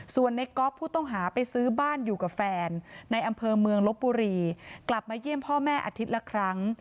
ส่วนในก๊อฟผู้ต้องหาไปซื้อบ้านอยู่กับแฟนในอำเภอเมืองลบบุรีกลับมาเยี่ยมพ่อแม่อาทิตย์ละครั้ง